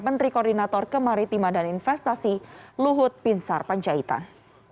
menteri koordinator kemaritima dan investasi luhut pinsar panjaitan